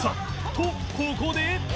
とここで